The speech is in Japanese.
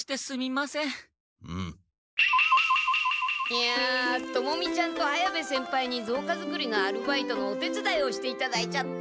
いやトモミちゃんと綾部先輩にぞうか作りのアルバイトのお手つだいをしていただいちゃって。